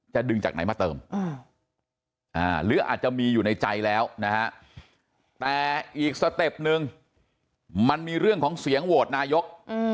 ดึงจากไหนมาเติมหรืออาจจะมีอยู่ในใจแล้วนะฮะแต่อีกสเต็ปนึงมันมีเรื่องของเสียงโหวตนายก